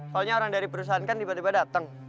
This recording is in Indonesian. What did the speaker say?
soalnya orang dari perusahaan kan tiba tiba datang